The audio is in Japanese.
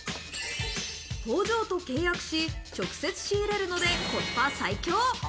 工場と契約し、直接仕入れるのでコスパ最強。